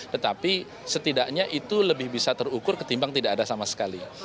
tetapi setidaknya itu lebih bisa terukur ketimbang tidak ada sama sekali